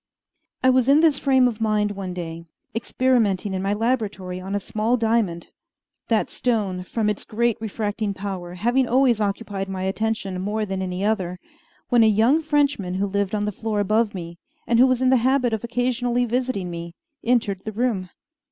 I was in this frame of mind one day, experimenting in my laboratory on a small diamond that stone, from its great refracting power, having always occupied my attention more than any other when a young Frenchman who lived on the floor above me, and who was in the habit of occasionally visiting me, entered the room.